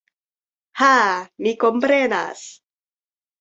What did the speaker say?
Ha, mi komprenas.